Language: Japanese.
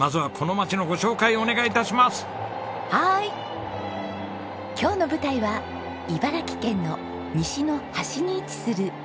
今日の舞台は茨城県の西の端に位置する古河市です。